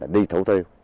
đi thủ tiêu